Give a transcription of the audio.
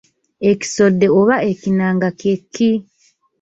Ekisodde oba ekinanga kye ki?